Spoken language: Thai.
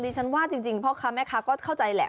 ฉันว่าจริงพ่อค้าแม่ค้าก็เข้าใจแหละ